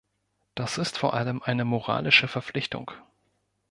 Das ist vor allem eine moralische Verpflichtung.